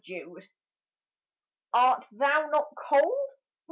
AGE ART thou not cold